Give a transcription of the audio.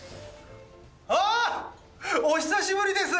あお久しぶりです！